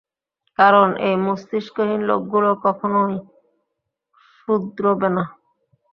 কারণ এই মস্তিষ্কহীন লোকগুলো কখনও শুধরোবে না।